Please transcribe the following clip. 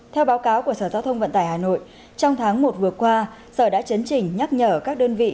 theo báo cáo của sở giao thông vận tải hà nội trong tháng một vừa qua sở đã chấn chỉnh nhắc nhở các đơn vị